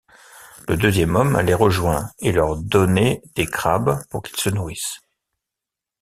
Le deuxième homme les rejoint et leur donner des crabes pour qu'ils se nourrissent.